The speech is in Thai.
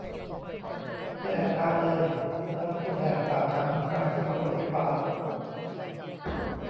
อย่าแอบฮาเลย เราควรแหกปากขำกลางขบวนรถไฟฟ้า